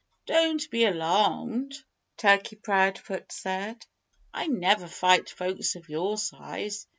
"Don't be alarmed!" Turkey Proudfoot said. "I never fight folks of your size.